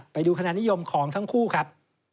ไปดูคะแนนนิยมของทั้งคู่ครับ